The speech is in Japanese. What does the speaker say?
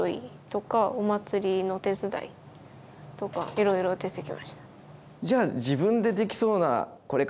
いろいろ出てきました。